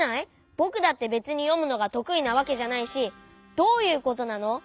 ぼくだってべつによむのがとくいなわけじゃないしどういうことなの？